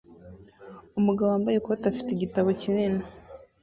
Umugabo wambaye ikoti afite igitabo kinini